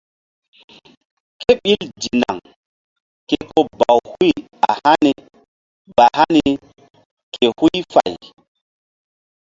Kéɓil dinaŋ ke ko baw huy a hani ba hani ke huy fay.